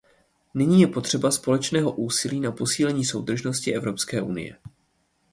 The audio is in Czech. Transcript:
Nyní je potřeba společného úsilí na posílení soudržnosti Evropské unie.